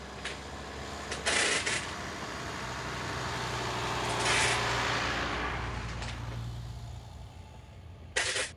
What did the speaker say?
Ke zlomení kosti nedošlo.